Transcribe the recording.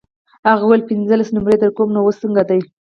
هغه وویل پنځلس نمرې درکوم نو اوس څنګه ده.